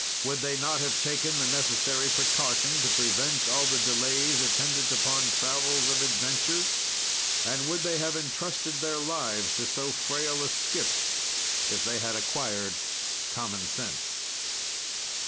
"Would they not have taken the necessary precaution to prevent all the delays attendant upon travels of adventure, and would they have entrusted their lives to so frail a skiff, if they had acquired common sense?"